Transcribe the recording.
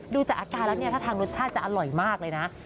ดูจากอาการแล้วเนี่ยถ้าทางรสชาติจะอร่อยมากเลยนะ